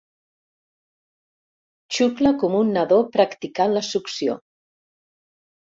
Xucla com un nadó practicant la succió.